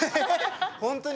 本当に？